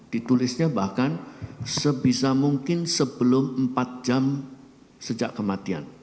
ditulisnya bahkan sebisa mungkin sebelum empat jam sejak kematian